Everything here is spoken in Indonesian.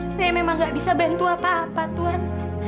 saya memang gak bisa bantu apa apa tuhan